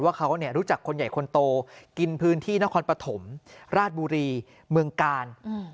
ว่าเขารู้จักคนใหญ่คนโตกินพื้นที่นครปฐมราชบุรีเมืองกาล